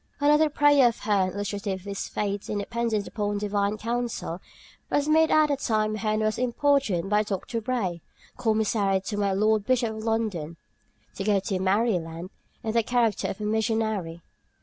Another prayer of Hearne's, illustrative of his faith in dependence upon Divine counsel, was made at the time Hearne was importuned by Dr. Bray, commissary to my Lord Bishop of London, "to go to Mary Land" in the character of a missionary.